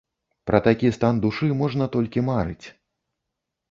Пра такі стан душы можна толькі марыць!